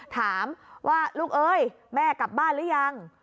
ถามว่าลูกเอ้ยแม่กลับบ้านหรือยัง